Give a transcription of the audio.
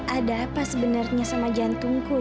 ada apa sebenarnya sama jantungku